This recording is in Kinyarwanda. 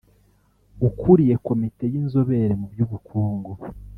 ukuriye komite y’inzobere mu by’ukungu